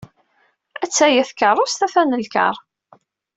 Atta-ya tkeṛṛust, atan lkar.